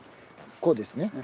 こうですね。